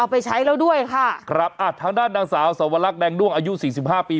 ไปใช้แล้วด้วยค่ะครับอ่ะทางด้านนางสาวสวรรคแดงด้วงอายุสี่สิบห้าปี